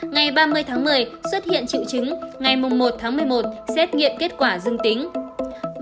ngày ba mươi tháng một mươi xuất hiện triệu chứng ngày một tháng một mươi một xét nghiệm kết quả dương tính